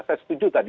saya setuju tadi